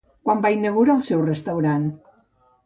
Quan van inaugurar el seu restaurant?